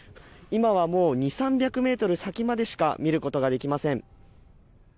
今はもう２００３００ｍ先までしか見ることができません。